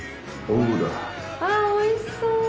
おいしそう。